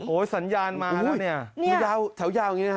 สัญญาณมาแล้วเนี่ยแถวยาวอย่างนี้นะฮะ